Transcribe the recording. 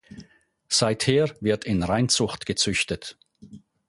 Seither wird in Reinzucht gezüchtet.